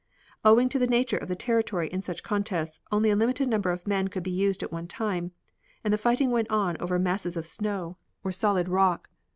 Owing to the nature of the territory in such contests, only a limited number of men could be used at one time, and the fighting went on over masses of snow or solid rock.